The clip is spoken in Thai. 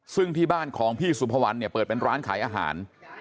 ซึ่งที่บ้านของพี่สุภวรรณเนี่ยเปิดเป็นร้านขายอาหาร